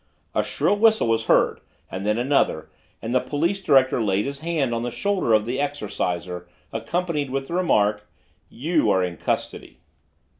A shrill whistle was heard, and then another, and the police director laid his hand on the shoulder of the exorciser accompanied with the remark: "You are in custody."